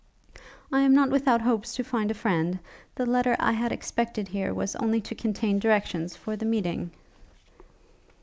'I am not without hopes to find a friend. The letter I had expected here was only to contain directions for the meeting.'